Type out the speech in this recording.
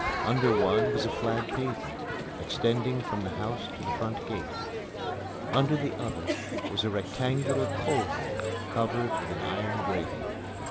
Under one was a flag pavement, extending from the house to the front gate. Under the other was a rectangular coal hole covered with an iron grating.